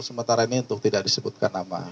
sementaranya untuk tidak disebutkan nama